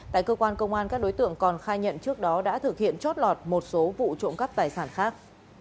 tại cơ quan công an các đối tượng còn khai nhận trước đó đã thực hiện chót lọt một số vụ trộm cắp tài sản khác